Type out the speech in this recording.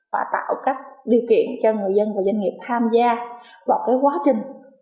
và tạo các điều kiện cho người dân và doanh nghiệp tham gia vào cái quá trình